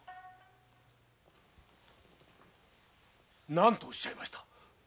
何とおっしゃいました